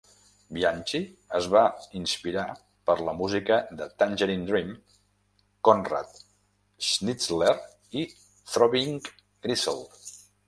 Bianchi es va inspirar per la música de Tangerine Dream, Conrad Schnitzler i Throbbing Gristle.